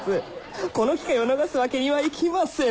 この機会を逃すわけにはいきません